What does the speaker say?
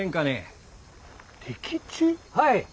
はい。